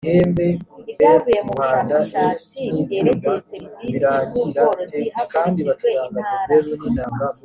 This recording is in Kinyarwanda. ibyavuye mu bushakashatsi byerekeye serivisi z ubworozi hakurikijwe intara